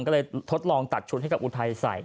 ก็เลยทดลองตัดชุดให้กับอุทัยใส่